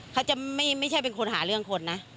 เขาจะไม่ใช่เป็นคนหาเรื่องคนนะ